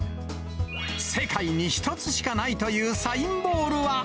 世界に一つしかないというサインボールは。